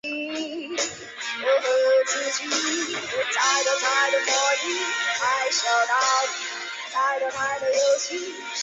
车塘村吴氏宗祠位于浙江省衢州市衢江区云溪乡。